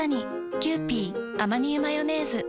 「キユーピーアマニ油マヨネーズ」